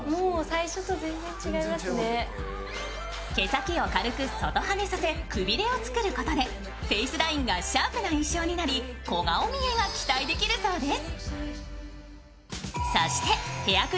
毛先を軽く外はねさせ、くびれを作ることでフェイスラインがシャープな印象になり小顔見えが期待できるそうです。